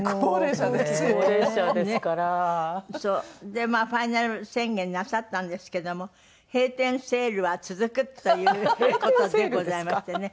でファイナル宣言なさったんですけども閉店セールは続くという事でございましてね